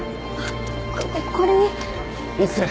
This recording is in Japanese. ここれに。